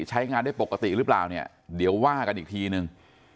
ใช้งานได้ปกติหรือเปล่าเนี่ยเดี๋ยวว่ากันอีกทีนึง